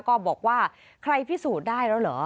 ก็บอกว่าใครพิสูจน์ได้แล้วเหรอ